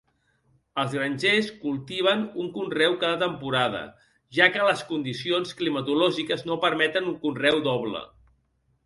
Els grangers cultiven un conreu cada temporada, ja què les condicions climatològiques no permeten un conreu doble.